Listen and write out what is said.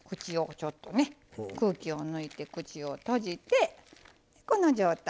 ちょっとね空気を抜いて口を閉じてこの状態。